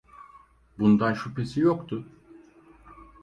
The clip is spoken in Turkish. Bundan şüphesi yoktu.